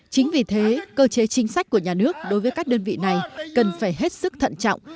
chính vì thế cơ chế chính sách của nhà nước đối với các đơn vị này cần phải hết sức thận trọng